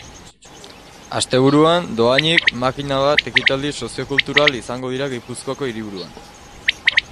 Asteburuan, dohainik, makina bat ekitaldi soziokultural izango dira gipuzkoako hiriburuan.